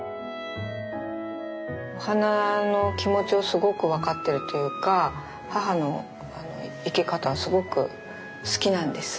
お花の気持ちをすごく分かってるというか母の生け方はすごく好きなんです。